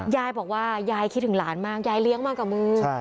ยายบอกว่ายายคิดถึงหลานมากยายเลี้ยงมากับมือ